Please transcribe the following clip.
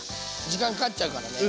時間かかっちゃうからね。